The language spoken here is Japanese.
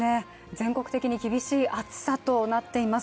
全国的に厳しい暑さとなっています。